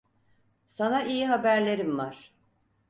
Sana iyi haberlerim var.